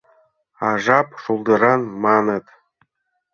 А жап шулдыран, маныт.